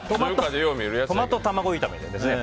トマト卵炒めですね。